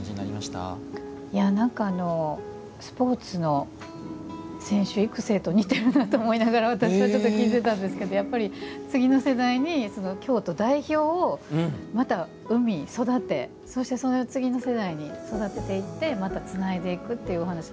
スポーツの選手育成と似てるなと思いながら私は聞いていたんですけどやっぱり、次の世代に京都代表をまた生み、育てそしてまた次の世代に育てていってまたつないでいくというお話。